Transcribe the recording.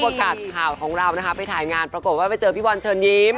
ผู้บดการณ์ของเราไปถ่ายงานปรากฏว่าไปเจอบอลเชิญยิ้ม